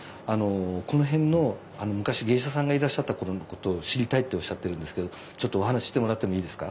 この辺の昔芸者さんがいらっしゃった頃のことを知りたいっておっしゃってるんですけどちょっとお話ししてもらってもいいですか？